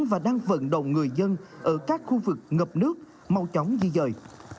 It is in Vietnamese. và đang vận động người dân ở các khu vực ngập nước mau chóng di dời